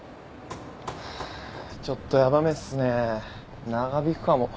ハァちょっとヤバめっすね長引くかも。